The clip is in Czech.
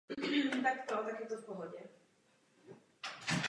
Tam, kde je moc peněz, dochází k jejich zneužívání.